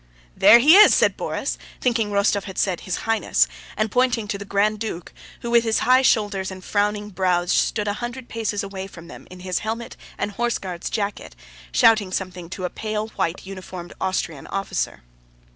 "There he is!" said Borís, thinking Rostóv had said "His Highness," and pointing to the Grand Duke who with his high shoulders and frowning brows stood a hundred paces away from them in his helmet and Horse Guards' jacket, shouting something to a pale, white uniformed Austrian officer.